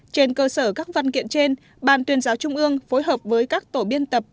trên cơ sở các văn kiện trên bàn tuyên giáo trung ương phối hợp với các tổ biên tập